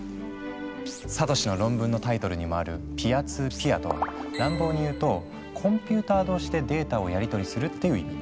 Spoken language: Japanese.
サトシの論文のタイトルにもある「Ｐ２Ｐ」とは乱暴に言うとコンピューター同士でデータをやりとりするっていう意味。